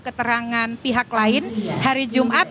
keterangan pihak lain hari jumat